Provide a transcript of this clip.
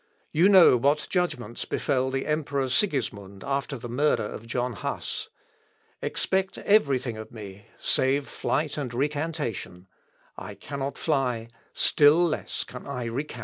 You know what judgments befel the emperor Sigismund after the murder of John Huss. Expect every thing of me save flight and recantation; I cannot fly, still less can I recant."